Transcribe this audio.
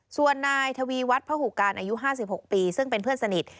ส่วนนายทวีวัฒน์พระหูการอายุ๕๖ปีซึ่งเป็นเพื่อนสนิท